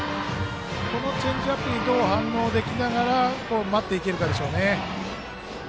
このチェンジアップにどう反応しながら待っていけるかでしょうね。